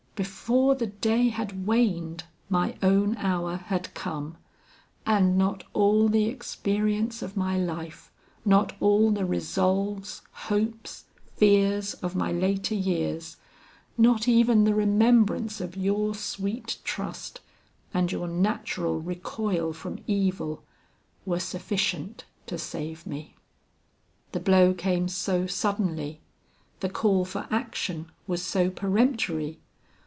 Before the day had waned, my own hour had come; and not all the experience of my life, not all the resolves, hopes, fears of my later years, not even the remembrance of your sweet trust and your natural recoil from evil, were sufficient to save me. The blow came so suddenly! the call for action was so peremptory!